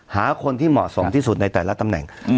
หาคนที่เหมาะสมที่สุดในแต่ละตำแหน่ง